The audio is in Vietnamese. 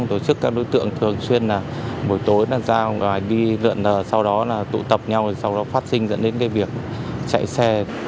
tổ chức các đối tượng thường xuyên là buổi tối ra ngoài đi lượn lờ sau đó là tụ tập nhau sau đó phát sinh dẫn đến cái việc chạy xe